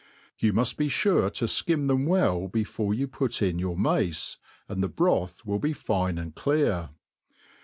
You muft be fure to (kirn them welj before you put ia your mace, and the broth will be fine and clear.